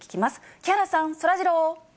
木原さん、そらジロー。